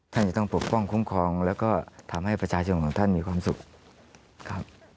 ท่านจะต้องปกป้องคุ้มครองแล้วก็ทำให้ประชาชนของท่านมีความสุขครับ